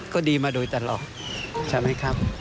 ก็ดีมาโดยตลอดใช่ไหมครับ